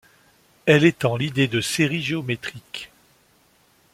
Elle étend l'idée de série géométrique.